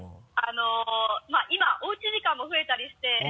まぁ今おうち時間も増えたりして。